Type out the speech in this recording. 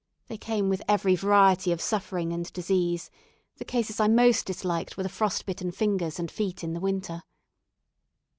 They came with every variety of suffering and disease; the cases I most disliked were the frostbitten fingers and feet in the winter.